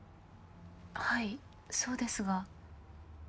はいそうですが。